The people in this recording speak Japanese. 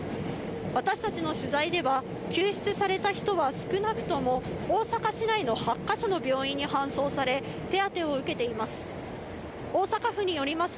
私たちの取材では、救出された人は少なくとも大阪市内の８か所の病院に搬送され、手当てを受けています。